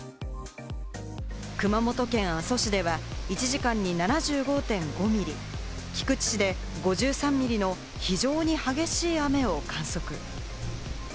熊本県阿蘇市では１時間に７５．５ミリ、菊池市で５３ミリの非常に激しい雨を観測。